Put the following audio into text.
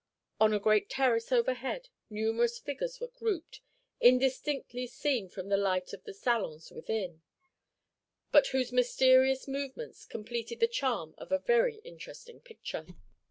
On a great terrace overhead numerous figures were grouped, indistinctly seen from the light of the salons within, but whose mysterious movements completed the charm of a very interesting picture.